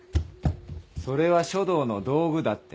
それは書道の道具だって。